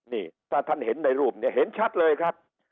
นี่ถ้าท่านเห็นในรูปเนี่ยเห็นชัดเลยครับ